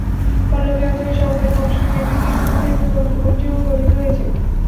পল্লবী অঞ্চলের সহকারী কমিশনারের নেতৃত্বে ইতিমধ্যে একটি তদন্ত কমিটিও গঠিত হয়েছে।